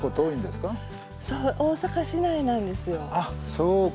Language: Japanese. そうか。